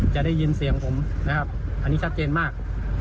จะได้ยินเสียงผมนะครับอันนี้ชัดเจนมาก